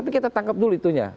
tapi kita tangkap dulu itunya